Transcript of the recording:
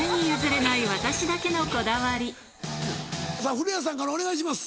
古谷さんからお願いします。